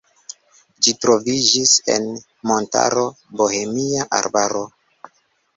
Ĝi troviĝis en montaro Bohemia arbaro.